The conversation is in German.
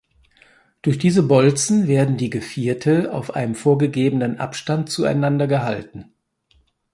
Durch diese Bolzen werden die Gevierte auf einen vorgegebenen Abstand zueinander gehalten.